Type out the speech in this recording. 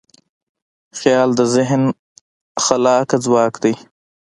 خیال د ذهن خلاقه ځواک دی.